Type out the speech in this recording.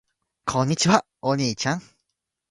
こんにちは。お兄ちゃん。